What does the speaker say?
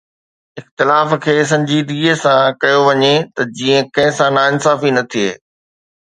اختلاف کي سنجيدگيءَ سان ڪيو وڃي ته جيئن ڪنهن سان ناانصافي نه ٿئي